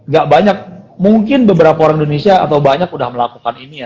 gak banyak mungkin beberapa orang indonesia atau banyak udah melakukan ini ya